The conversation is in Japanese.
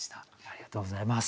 ありがとうございます。